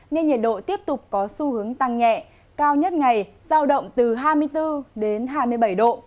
nên nhiệt độ tiếp tục có xu hướng tăng nhẹ cao nhất ngày giao động từ hai mươi bốn đến hai mươi bảy độ